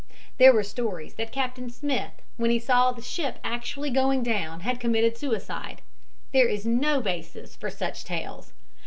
There were stories that Captain Smith, when he saw the ship actually going down, had committed suicide. There is no basis for such tales.